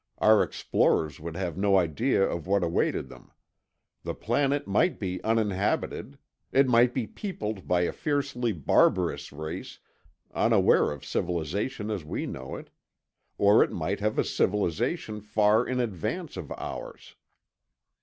Our explorers would have no idea of what awaited them. The planet might be uninhabited. It might be peopled by a fiercely barbarous race unaware of civilization as we know it. Or it might have a civilization far in advance of ours.